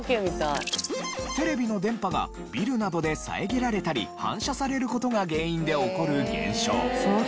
テレビの電波がビルなどで遮られたり反射される事が原因で起こる現象。